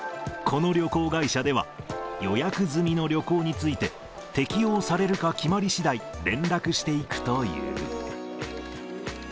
この旅行会社では、予約済みの旅行について、適用されるか決まりしだい、連絡していくという。